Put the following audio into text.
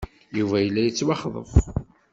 Yuba yella yettwaxḍef.